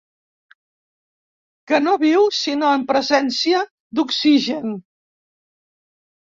Que no viu sinó en presència d'oxigen.